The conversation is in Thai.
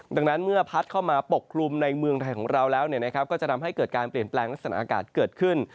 ดังนั้นเมื่อพัดเข้ามาปกคลุมในเมืองไทยของเราแล้วก็จะทำให้เกิดการเปลี่ยนแปลงลักษณะอากาศเกิดขึ้น